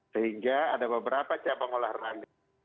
sehingga ada beberapa cabang olahraga